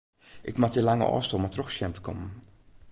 Ik moat dy lange ôfstân mar troch sjen te kommen.